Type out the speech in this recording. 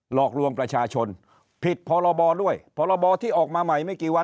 หลอกลวงประชาชนผิดพรบด้วยพรบที่ออกมาใหม่ไม่กี่วัน